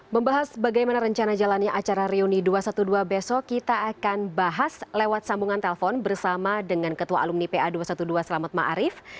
membahas bagaimana rencana jalannya acara reuni dua ratus dua belas besok kita akan bahas lewat sambungan telpon bersama dengan ketua alumni pa dua ratus dua belas selamat ⁇ maarif ⁇